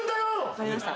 分かりました。